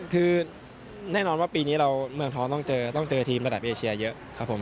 คือแน่นอนว่าปีนี้เราเมืองท้องต้องเจอต้องเจอทีมระดับเอเชียเยอะครับผม